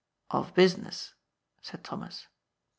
" Of business," said Thomas.